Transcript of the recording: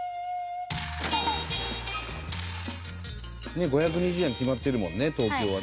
「ねっ５２０円に決まってるもんね東京はね」